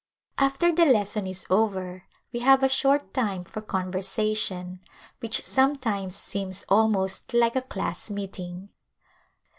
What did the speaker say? After the lesson is over we have a short time for conversation, which sometimes seems almost like a class meeting.